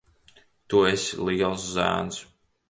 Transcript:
Tu esi liels zēns.